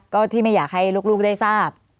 ก็ที่ไม่อยากให้ลูกได้ทราบ